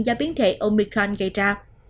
do biến thể omicron gây ra